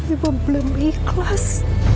ibu belum ikhlas